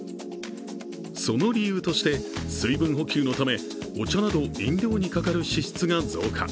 その理由として、水分補給のためお茶など飲料にかかる支出が増加。